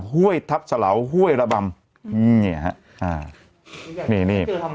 ห้วยทัพสะเหลาห้วยระบำเนี้ยฮะอ่านี่นี่เสือทำไงเนี้ย